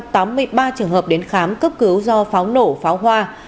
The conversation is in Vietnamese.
trong đó tám mươi ba trường hợp đến khám cấp cứu do pháo nổ pháo hoa